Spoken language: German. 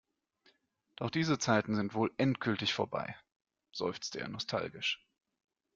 Doch diese Zeiten sind wohl endgültig vorbei, seufzte er nostalgisch.